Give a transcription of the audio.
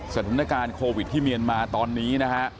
สถานการณ์โควิดที่เมียนมาตอนนี้นะฮะ